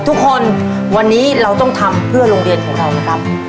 ทุกวันวันนี้เราต้องทำเพื่อโรงเรียนของเรานะครับ